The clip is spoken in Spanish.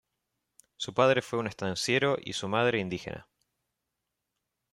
Su padre fue un estanciero y su madre indígena.